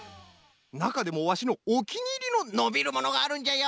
なかでもわしのおきにいりののびるものがあるんじゃよ。